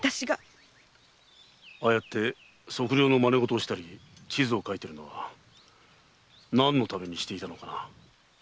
ああやって測量の真似ごとをしたり地図を描いたりは何のためにしていたのかな？